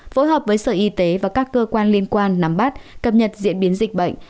phối hợp với sở y tế và các cơ quan liên quan nắm bắt cập nhật diễn biến dịch bệnh